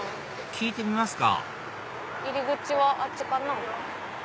聞いてみますか入り口はあっちかな。